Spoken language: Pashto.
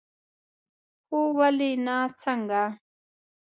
هو، ولې نه، څنګه؟